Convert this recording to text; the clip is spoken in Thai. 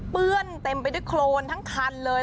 เต็มไปด้วยโครนทั้งคันเลย